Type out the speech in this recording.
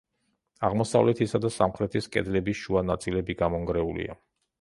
აღმოსავლეთისა და სამხრეთის კედლების შუა ნაწილები გამონგრეულია.